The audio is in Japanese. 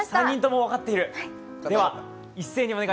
３人とも分かっている？